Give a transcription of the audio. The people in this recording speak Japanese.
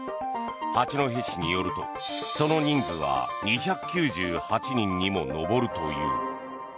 八戸市によると、その人数は２９８人にも上るという。